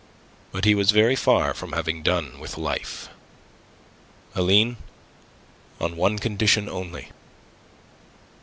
But he was very far from having done with life. "Aline, on one condition only."